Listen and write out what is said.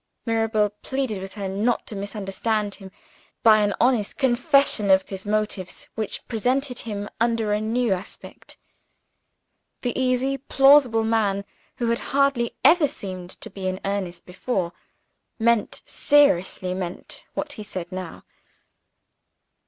Mirabel pleaded with her not to misunderstand him, by an honest confession of his motives which presented him under a new aspect. The easy plausible man, who had hardly ever seemed to be in earnest before meant, seriously meant, what he said now.